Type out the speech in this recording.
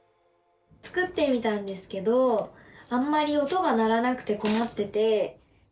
作ってみたんですけどあんまり音が鳴らなくてこまってて。